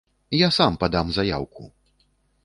Я сам падам заяўку!